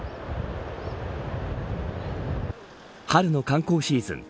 春の観光シーズン。